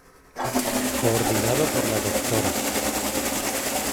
Coordinado por la Dra.